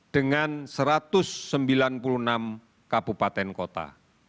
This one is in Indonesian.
dengan satu ratus sembilan puluh enam kabupaten kota